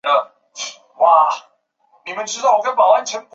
永平县是中华人民共和国云南省大理白族自治州下属的一个县。